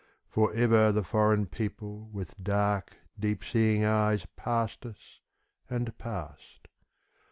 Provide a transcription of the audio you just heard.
Forever the foreign people with dark, deep seeing eyes Passed us and passed.